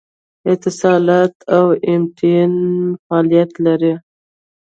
اتصالات او ایم ټي این فعالیت لري